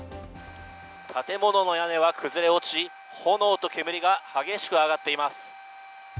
建物の屋根は崩れ落ち、炎と煙が激しく上がっています。